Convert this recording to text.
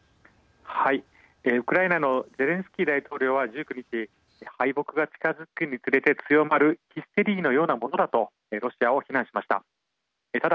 ウクライナのゼレンスキー大統領は１９日敗北が近づくにつれて強まるヒステリーのようなものだとロシアを非難しました。